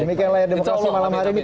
demikian layar demokrasi malam hari ini